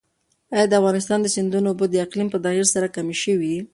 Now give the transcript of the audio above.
ایا د افغانستان د سیندونو اوبه د اقلیم په تغیر سره کمې شوي؟